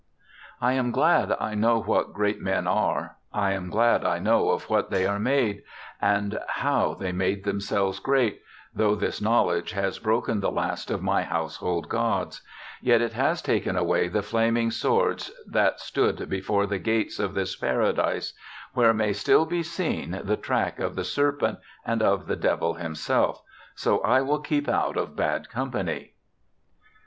' I am glad I know what great men are. I am glad I know of what they are made, and how they made themselves great, though this knowledge has broken the last of my household gods ; yet it has taken away the flaming swords that stood before the gates of this Paradise, where may still be seen the track of the ser pent and of the devil himself, so I will keep out of bad company.'